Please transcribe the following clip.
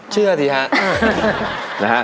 เชื่อที่คะ